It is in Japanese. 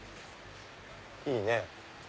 いいね。